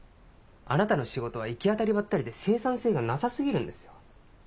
あなたの仕事は行き当たりばったりで生産性がなさ過ぎるんですよ。